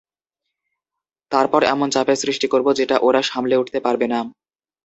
তারপর এমন চাপের সৃষ্টি করবো যেটা ওরা সামলে উঠতে পারবে না।